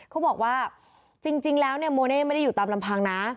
เขาบอกว่าจริงแล้วเนี่ยโมเน่ไม่ได้อยู่ตามลำพังนะ